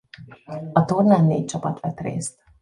A tornán négy csapat vett részt.